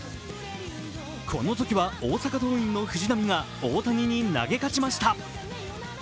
このときは大阪桐蔭の藤浪が大谷に投げ勝ちました。